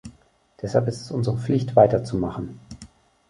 Deshalb ist es unsere Pflicht, weiterzumachen.